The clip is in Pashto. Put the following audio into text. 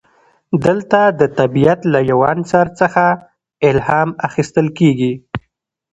دلته د طبیعت له یو عنصر څخه الهام اخیستل کیږي.